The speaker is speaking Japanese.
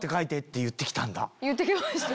言って来ましたよ。